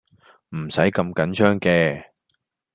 唔使咁緊張嘅